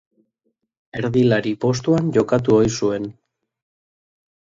Erdilaria postuan jokatu ohi zuen.